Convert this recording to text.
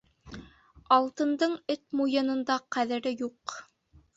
Алтындың эт муйынында ҡәҙере юҡ.